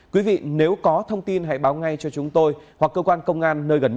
quý vị nếu có thông tin hãy báo ngay cho chúng tôi hoặc cơ quan công an nơi gần nhất